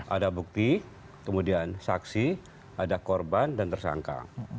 ada bukti kemudian saksi ada korban dan tersangka